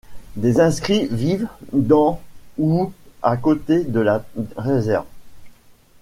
Des inscrits, vivent dans ou à côté de la réserve.